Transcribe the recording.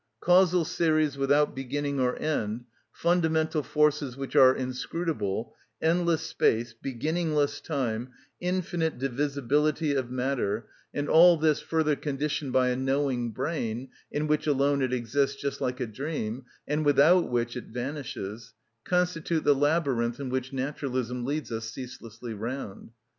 Causal series without beginning or end, fundamental forces which are inscrutable, endless space, beginningless time, infinite divisibility of matter, and all this further conditioned by a knowing brain, in which alone it exists just like a dream, and without which it vanishes—constitute the labyrinth in which naturalism leads us ceaselessly round.